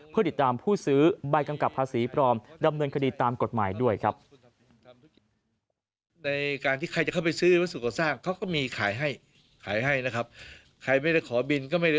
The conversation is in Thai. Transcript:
เพื่อติดตามผู้ซื้อใบกำกับภาษีปลอมดำเนินคดีตามกฎหมายด้วยครับ